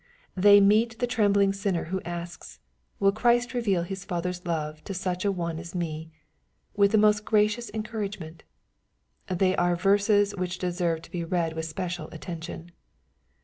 They meet the trembling sinner who asks, "Will Christ reveal His Father's love to such an one as me ?" with the most gracious encour agement. They are verses which deserve to be read with special attention.